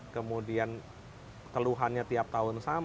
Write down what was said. kemudian keluhannya tiap tahun sama